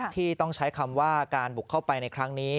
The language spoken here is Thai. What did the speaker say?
ที่ต้องใช้คำว่าการบุกเข้าไปในครั้งนี้